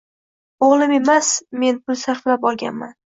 Oʻgʻlim emas, men pul sarflab olganman